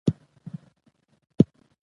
مېلې د ځوانانو د شخصیت د ودي له پاره مهمي دي.